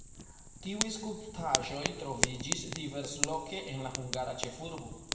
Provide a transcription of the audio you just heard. Tiuj skulptaĵoj troviĝis diversloke en la hungara ĉefurbo.